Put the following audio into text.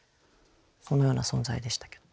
そのような存在でしたけど。